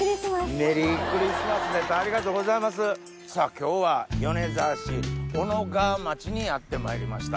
今日は米沢市小野川町にやってまいりました。